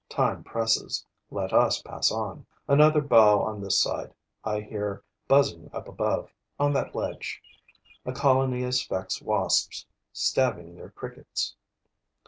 Time presses; let us pass on. Another bow on this side. I hear buzzing up above, on that ledge, a colony of Sphex wasps, stabbing their crickets.